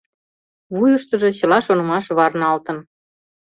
Вуйыштыжо чыла шонымаш варналтын.